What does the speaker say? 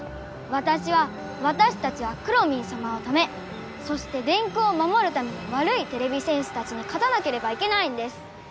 わたしはわたしたちはくろミンさまのためそして電空をまもるためにわるいてれび戦士たちにかたなければいけないんです！